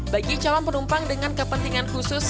bagi calon penumpang dengan kepentingan khusus